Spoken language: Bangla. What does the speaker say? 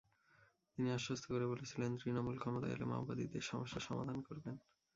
তিনি আশ্বস্ত করে বলেছিলেন, তৃণমূল ক্ষমতায় এলে মাওবাদীদের সমস্যার সমাধান করবেন।